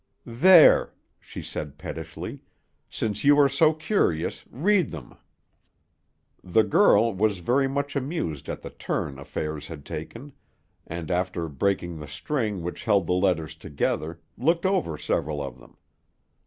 "There!" she said pettishly. "Since you are so curious, read them." The girl was very much amused at the turn affairs had taken, and, after breaking the string which held the letters together, looked over several of them.